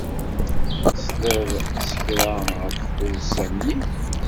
Tesliḍ s kra ɣef tuddsa-nni?